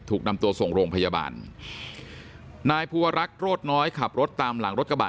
ถูกนำตัวส่งโรงพยาบาลนายภูวรักษ์โรดน้อยขับรถตามหลังรถกระบะ